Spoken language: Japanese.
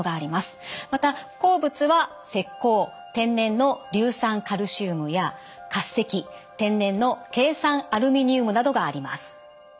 また鉱物は石膏天然の硫酸カルシウムや滑石天然のケイ酸アルミニウムなどがあります。